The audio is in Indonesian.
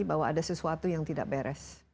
bahwa ada sesuatu yang tidak beres